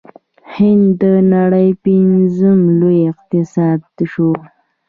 هند د نړۍ پنځم لوی اقتصاد شو.